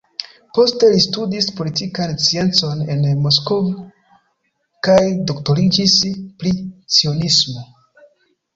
Poste li studis politikan sciencon en Moskvo kaj doktoriĝis pri cionismo.